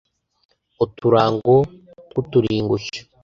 uturango twu turingushyo